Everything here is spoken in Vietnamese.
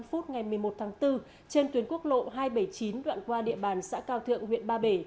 hai mươi ba h năm ngày một mươi một tháng bốn trên tuyến quốc lộ hai trăm bảy mươi chín đoạn qua địa bàn xã cao thượng huyện ba bể